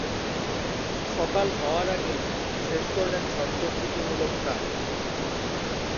সকাল হওয়ার আগেই শেষ করলেন সব প্রস্তুতিমূলক কাজ।